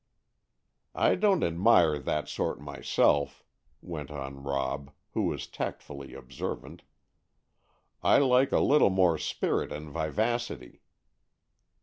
"I don't admire that sort, myself," went on Rob, who was tactfully observant; "I like a little more spirit and vivacity."